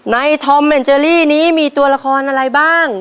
ธอมแมนเจอรี่นี้มีตัวละครอะไรบ้าง